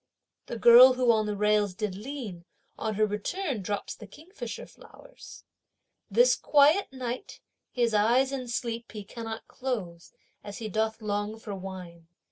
The girl, who on the rails did lean, on her return drops the kingfisher flowers! This quiet night his eyes in sleep he cannot close, as he doth long for wine.